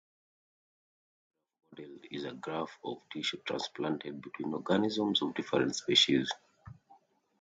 A xenograft model is a graft of tissue transplanted between organisms of different species.